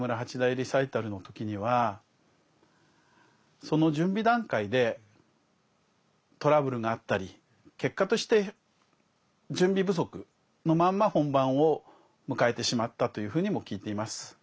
リサイタルの時にはその準備段階でトラブルがあったり結果として準備不足のまま本番を迎えてしまったというふうにも聞いています。